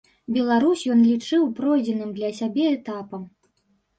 Беларусь ён лічыў пройдзеным для сябе этапам.